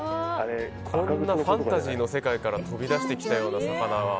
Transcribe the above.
こんなファンタジーの世界から飛び出してきたような魚が。